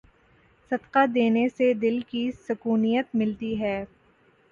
صدقہ دینے سے دل کی سکونیت ملتی ہے۔